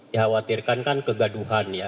ya khawatirkan kan kegaduhan ya